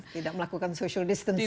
tidak melakukan social distancing